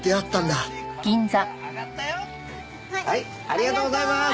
ありがとうございます。